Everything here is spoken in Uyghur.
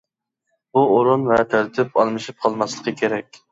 بۇ ئورۇن ۋە تەرتىپ ئالمىشىپ قالماسلىقى كېرەك.